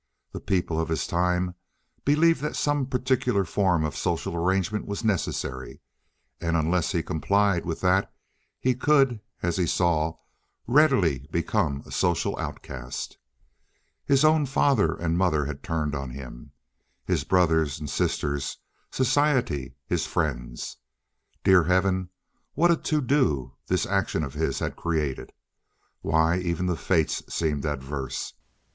The people of his time believed that some particular form of social arrangement was necessary, and unless he complied with that he could, as he saw, readily become a social outcast. His own father and mother had turned on him—his brother and sisters, society, his friends. Dear heaven, what a to do this action of his had created! Why, even the fates seemed adverse.